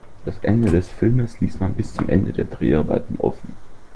Das Ende des Filmes ließ man bis zum Ende der Dreharbeiten offen.